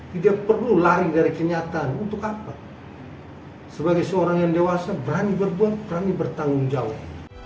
terima kasih bapak